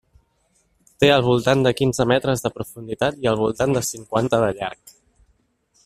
Té al voltant de quinze metres de profunditat i al voltant de cinquanta de llarg.